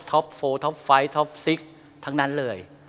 พวกท็อป๔ท็อป๕ท็อป๖ทั้งนั้นเลย